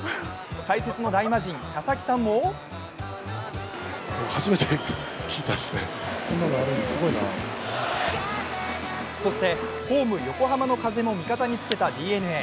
解説の大魔神・佐々木さんもそしてホーム・横浜の風も味方に付けたＤｅＮＡ。